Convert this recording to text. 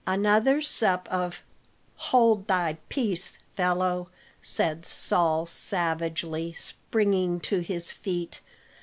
"Another sup of " "Hold thy peace, fellow," said Saul savagely, springing to his feet.